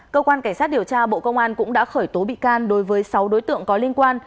cơ quan cảnh sát điều tra bộ công an cũng đã khởi tố bị can đối với sáu đối tượng có liên quan